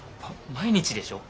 毎日でしょ？